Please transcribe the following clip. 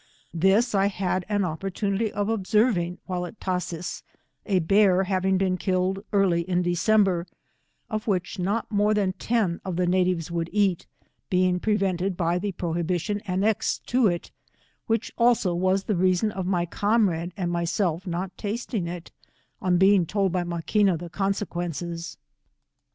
This I had an opportunity of observing while at Tashees, a bear having been killed early in December, of which not more than ten of the natives would eat, being prevented by the prohibilioa annexed to it, which also was the reason of my comrade and myself not tasting it, on being told by Maquina the consequences.